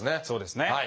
そうですね。